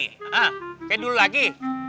hah kayak dulu lagi